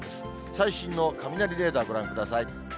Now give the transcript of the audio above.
最新の雷レーダーご覧ください。